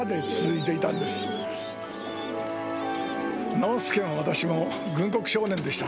直輔も私も軍国少年でした。